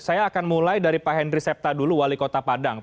saya akan mulai dari pak henry septa dulu wali kota padang